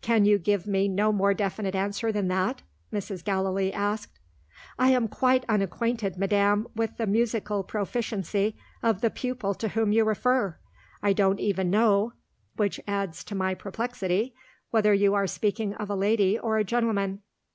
"Can you give me no more definite answer than that?" Mrs. Gallilee asked. "I am quite unacquainted, madam, with the musical proficiency of the pupil to whom you refer. I don't even know (which adds to my perplexity) whether you are speaking of a lady or a gentleman."